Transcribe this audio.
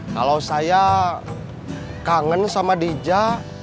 kalau saya kangen sama dija